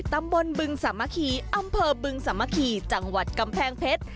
บึงสามะคีอำเภอบึงสามัคคีจังหวัดกำแพงเพชร